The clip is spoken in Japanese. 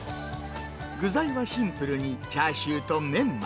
具材はシンプルに、チャーシューとメンマ。